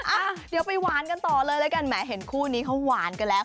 อ่ะเดี๋ยวไปหวานกันต่อเลยแล้วกันแหมเห็นคู่นี้เขาหวานกันแล้ว